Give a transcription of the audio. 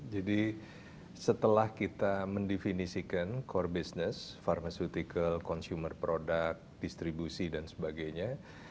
jadi setelah kita mendefinisikan core business pharmaceutical consumer product distribusi dan sebagainya